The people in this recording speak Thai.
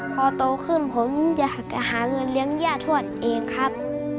พอโตขึ้นผมอยากจะหาเงินเลี้ยงย่าทวดเองครับ